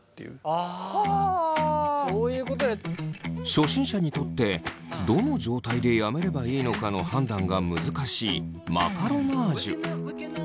初心者にとってどの状態でやめればいいのかの判断が難しいマカロナージュ。